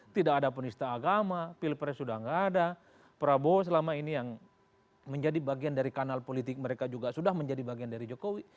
tidak ada penista agama pilpres sudah tidak ada prabowo selama ini yang menjadi bagian dari kanal politik mereka juga sudah menjadi bagian dari jokowi